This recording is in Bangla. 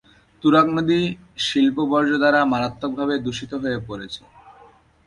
তুরাগ নদী শিল্প বর্জ্য দ্বারা মারাত্মকভাবে দূষিত হয়ে পড়েছে।